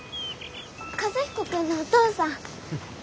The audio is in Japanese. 和彦君のお父さん。